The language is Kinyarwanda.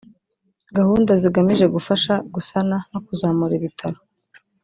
gahunda zigamije gufasha gusana no kuzamura ibitaro